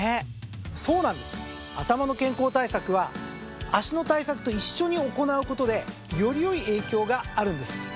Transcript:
そうなんです頭の健康対策は脚の対策と一緒に行うことでよりよい影響があるんです。